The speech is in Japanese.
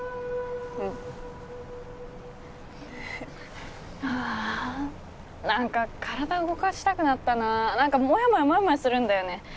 うんあ何か体動かしたくなったな何かモヤモヤモヤモヤするんだよね